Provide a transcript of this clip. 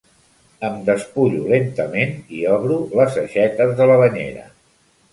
Em despullo lentament i obro les aixetes de la banyera.